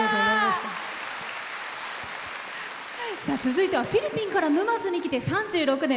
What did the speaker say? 続いてはフィリピンから沼津に来て３６年。